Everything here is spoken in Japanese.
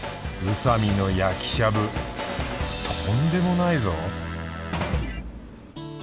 宇佐美のやきしゃぶとんでもないぞ